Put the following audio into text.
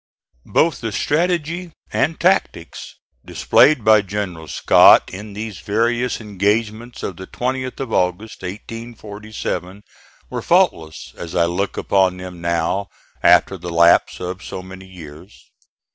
Both the strategy and tactics displayed by General Scott in these various engagements of the 20th of August, 1847, were faultless as I look upon them now, after the lapse of so many years.